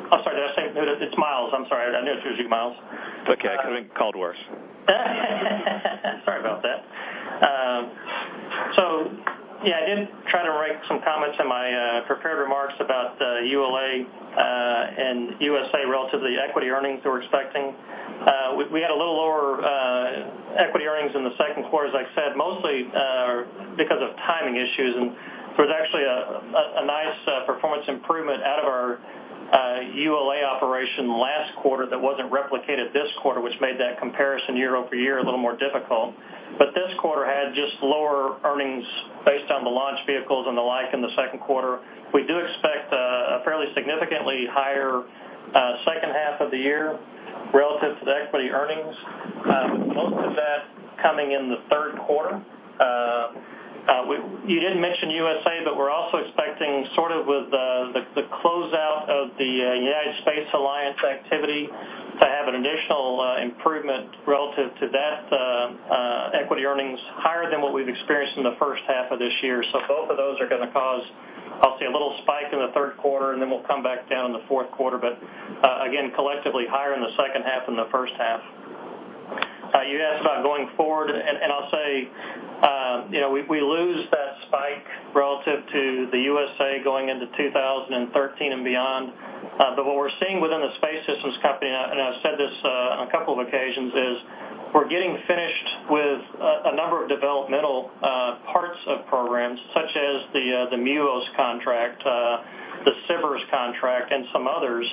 I'm sorry. It's Myles. I'm sorry. I knew it was you, Myles. It's okay. I've been called worse. Sorry about that. Yeah, I did try to write some comments in my prepared remarks about ULA and USA relative to the equity earnings that we're expecting. We had a little lower equity earnings in the second quarter, as I said, mostly because of timing issues. There was actually a nice performance improvement out of our ULA operation last quarter that wasn't replicated this quarter, which made that comparison year-over-year a little more difficult. This quarter had just lower earnings based on the launch vehicles and the like in the second quarter. We do expect a fairly significantly higher second half of the year relative to the equity earnings. Most of that coming in the third quarter. You did mention USA, but we're also expecting sort of with the closeout of the United Space Alliance activity to have an additional improvement relative to that equity earnings higher than what we've experienced in the first half of this year. Both of those are going to cause, I'll say, a little spike in the third quarter, then we'll come back down in the fourth quarter, but again, collectively higher in the second half than the first half. You asked about going forward, I'll say, we lose that spike relative to the USA going into 2013 and beyond. What we're seeing within the Space Systems Company, I've said this on a couple of occasions, is we're getting finished with a number of developmental parts of programs such as the MUOS contract, the SBIRS contract, and some others.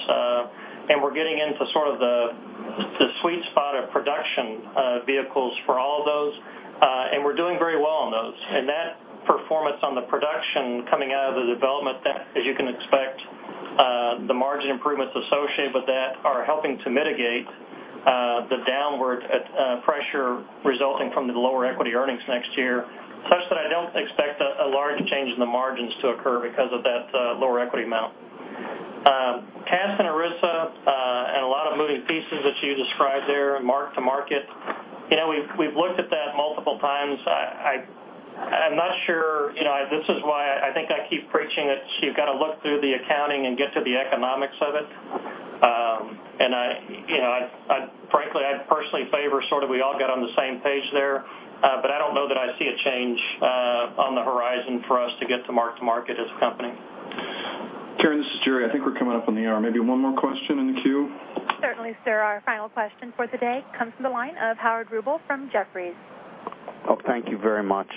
We're getting into sort of the sweet spot of production vehicles for all of those. We're doing very well on those. That performance on the production coming out of the development, as you can expect, the margin improvements associated with that are helping to mitigate the downward pressure resulting from the lower equity earnings next year. Such that I don't expect a large change in the margins to occur because of that lower equity amount. CAS and ERISA, a lot of moving pieces that you described there, mark-to-market. We've looked at that multiple times. I'm not sure, this is why I think I keep preaching it, you've got to look through the accounting and get to the economics of it. Frankly, I'd personally favor sort of we all get on the same page there. I don't know that I see a change on the horizon for us to get to mark-to-market as a company. Karen, this is Jerry. I think we're coming up on the hour. Maybe one more question in the queue. Certainly, sir. Our final question for the day comes from the line of Howard Rubel from Jefferies. Thank you very much.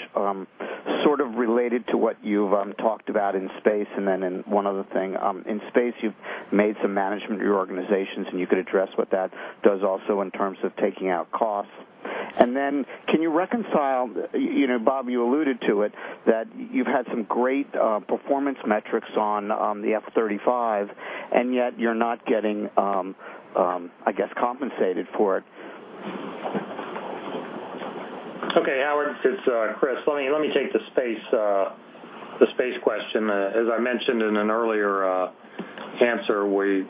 Sort of related to what you've talked about in space and then in one other thing. In space, you've made some management reorganizations, and you could address what that does also in terms of taking out costs. Then can you reconcile, Bob, you alluded to it, that you've had some great performance metrics on the F-35 and yet you're not getting, I guess, compensated for it. Howard, it's Chris. Let me take the space question. As I mentioned in an earlier answer,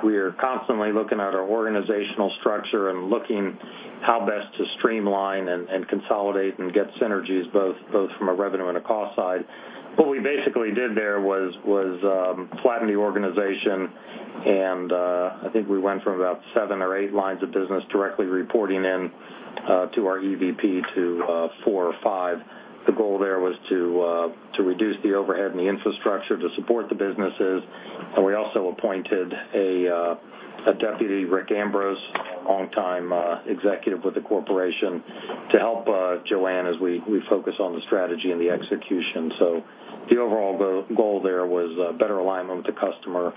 we are constantly looking at our organizational structure and looking how best to streamline and consolidate and get synergies both from a revenue and a cost side. What we basically did there was flatten the organization and I think we went from about seven or eight lines of business directly reporting in to our EVP to four or five. The goal there was to reduce the overhead and the infrastructure to support the businesses. We also appointed a deputy, Rick Ambrose, longtime executive with the corporation, to help Joanne as we focus on the strategy and the execution. The overall goal there was better alignment with the customer,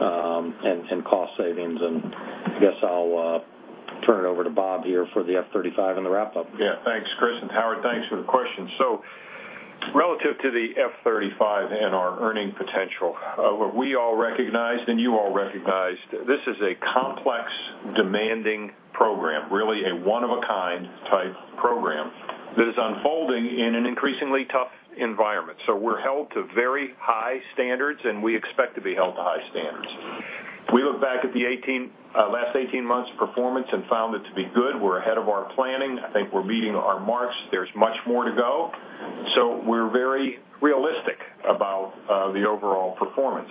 and cost savings, and I guess I'll turn it over to Bob here for the F-35 and the wrap-up. Thanks, Chris, and Howard, thanks for the question. Relative to the F-35 and our earning potential, what we all recognized and you all recognized, this is a complex, demanding program, really a one of a kind type program that is unfolding in an increasingly tough environment. We're held to very high standards, and we expect to be held to high standards. We look back at the last 18 months' performance and found it to be good. We're ahead of our planning. I think we're meeting our marks. There's much more to go. We're very realistic about the overall performance.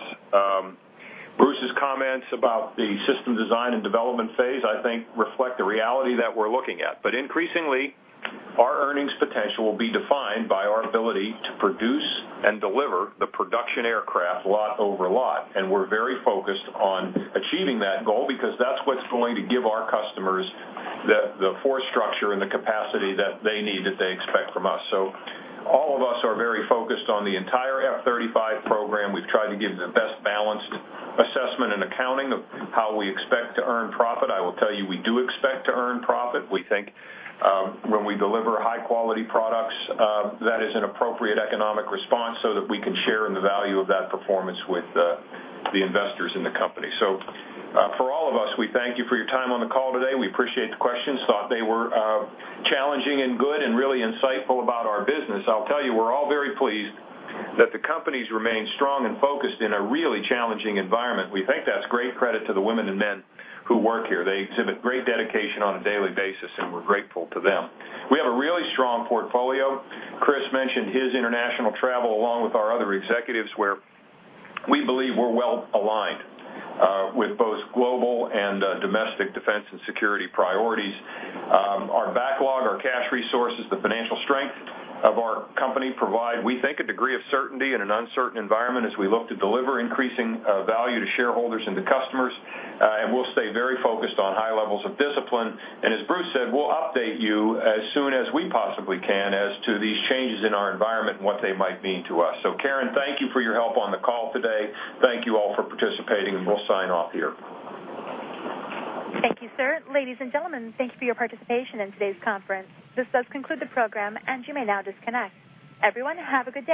Comments about the system design and development phase, I think reflect the reality that we're looking at. Increasingly, our earnings potential will be defined by our ability to produce and deliver the production aircraft lot over lot. We're very focused on achieving that goal because that's what's going to give our customers the force structure and the capacity that they need, that they expect from us. All of us are very focused on the entire F-35 program. We've tried to give the best balanced assessment and accounting of how we expect to earn profit. I will tell you, we do expect to earn profit. We think when we deliver high-quality products, that is an appropriate economic response so that we can share in the value of that performance with the investors in the company. For all of us, we thank you for your time on the call today. We appreciate the questions. Thought they were challenging and good and really insightful about our business. I'll tell you, we're all very pleased that the company's remained strong and focused in a really challenging environment. We think that's great credit to the women and men who work here. They exhibit great dedication on a daily basis, and we're grateful to them. We have a really strong portfolio. Chris mentioned his international travel along with our other executives, where we believe we're well-aligned with both global and domestic defense and security priorities. Our backlog, our cash resources, the financial strength of our company provide, we think, a degree of certainty in an uncertain environment as we look to deliver increasing value to shareholders and to customers. We'll stay very focused on high levels of discipline. As Bruce said, we'll update you as soon as we possibly can as to these changes in our environment and what they might mean to us. Karen, thank you for your help on the call today. Thank you all for participating, and we'll sign off here. Thank you, sir. Ladies and gentlemen, thank you for your participation in today's conference. This does conclude the program, and you may now disconnect. Everyone, have a good day.